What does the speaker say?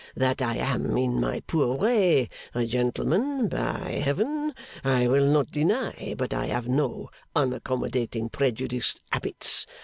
That I am, in my poor way, a gentleman, by Heaven! I will not deny, but I have no unaccommodating prejudiced habits.